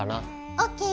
ＯＫ！